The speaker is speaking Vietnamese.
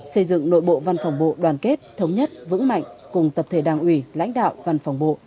xây dựng nội bộ văn phòng bộ đoàn kết thống nhất vững mạnh cùng tập thể đảng ủy lãnh đạo văn phòng bộ